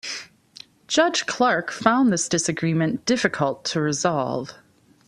Judge Clark found this disagreement difficult to resolve.